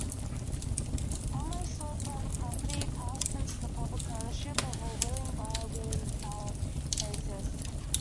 Almost all private property passed into public ownership on a "willing buyer-willing seller" basis.